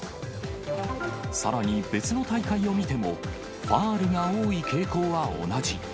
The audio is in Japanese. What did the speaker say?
さらに別の大会を見ても、ファウルが多い傾向は同じ。